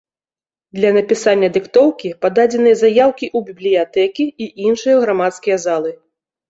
Для напісання дыктоўкі пададзеныя заяўкі ў бібліятэкі і іншыя грамадскія залы.